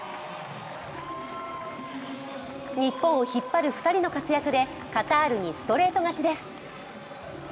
日本を引っ張る２人の活躍でカタールにストレート勝ちです。